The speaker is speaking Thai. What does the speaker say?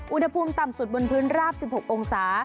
อุณหภูมิต่ำสุดบนพื้นราบ๑๖องศา